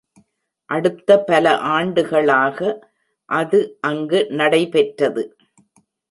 அடுத்த பல ஆண்டுகளாக அது அங்கு நடைபெற்றது.